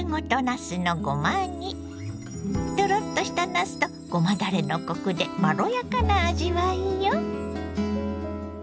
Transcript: トロッとしたなすとごまだれのコクでまろやかな味わいよ。